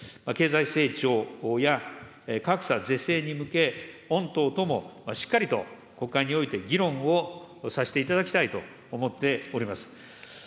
経済成長や格差是正に向け、御党ともしっかりと国会において議論をさせていただきたいと思っております。